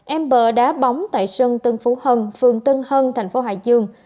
em bờ đã bóng tại sân tân phú hân phường tân hân tp hcm